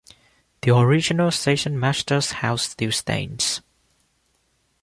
The original stationmaster's house still stands.